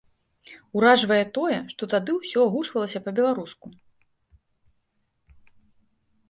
Уражвае тое, што тады ўсё агучвалася па-беларуску.